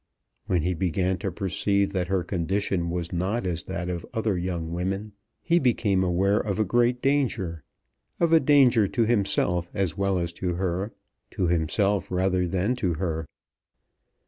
When he began to perceive that her condition was not as that of other young women, he became aware of a great danger, of a danger to himself as well as to her, to himself rather than to her.